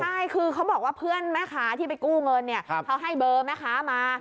ใช่คือเขาบอกว่าเพื่อนแม่ค้าที่ไปกู้เงินเนี่ยเขาให้เบอร์แม่ค้ามา